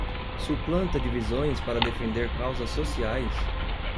Suplanta divisões para defender causas sociais